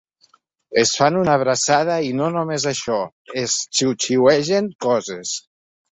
Es fan una abraçada i no només això, es xiuxiuegen coses.